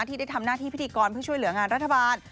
ที่ได้ทำหน้าที่พิธีกรเพื่อช่วยเหลืองานรัฐบาล